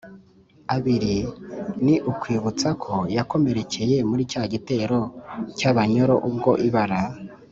abiri ni ukwibutsa ko yakomerekeye muri cya gitero cy’abanyoro ubwo ibara